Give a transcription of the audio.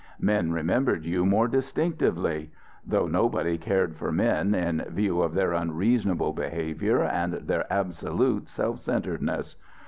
Men remembered you more distinctively. Though nobody cared for men, in view of their unreasonable behaviour, and their absolute self centeredness....